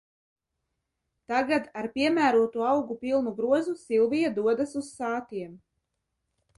Tagad, ar piemērotu augu pilnu grozu, Silvija dodas uz Sātiem.